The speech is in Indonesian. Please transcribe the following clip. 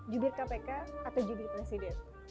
jubir kpk atau jubir presiden